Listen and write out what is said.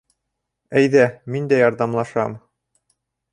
Әйҙә, мин дә ярҙамлашам.